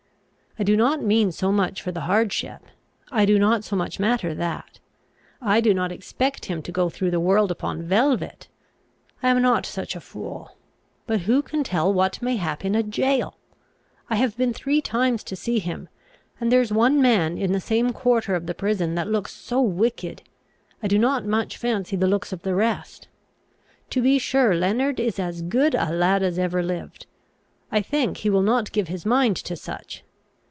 I do not mean so much for the hardship; I do not so much matter that. I do not expect him to go through the world upon velvet! I am not such a fool. But who can tell what may hap in a jail! I have been three times to see him; and there is one man in the same quarter of the prison that looks so wicked! I do not much fancy the looks of the rest. To be sure, Leonard is as good a lad as ever lived. I think he will not give his mind to such.